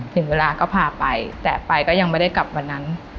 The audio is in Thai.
ถึงเวลาก็พาไปแต่ไปก็ยังไม่ได้กลับวันนั้น